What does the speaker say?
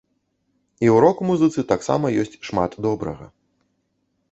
І ў рок-музыцы таксама ёсць шмат добрага.